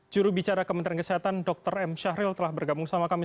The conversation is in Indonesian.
juru bicara kementerian kesehatan dr m syahril telah bergabung sama kami